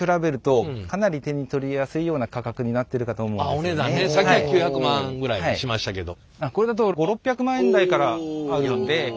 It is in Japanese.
あっお値段ねさっきの９００万ぐらいしましたけど。